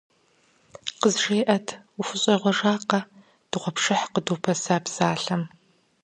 КъызжеӀэт, ухущӀегъуэжакъэ дыгъуэпшыхь къыдупэса псалъэм?